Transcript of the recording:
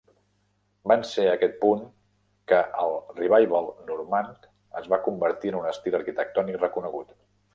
Va ser en aquest punt que el Revival normand es va convertir en un estil arquitectònic reconegut.